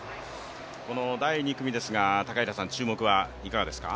この第２組ですが、注目はいかがですか。